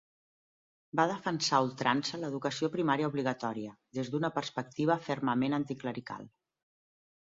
Va defensar a ultrança l'educació primària obligatòria des d'una perspectiva fermament anticlerical.